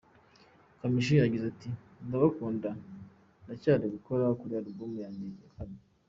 Kamichi yagize ati “ Ndabakunda, ndacyari gukora kuri Album yanjye ya kane.